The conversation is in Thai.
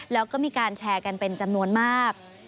แล้วก็มีการแชร์กันเป็นจำนวนมาก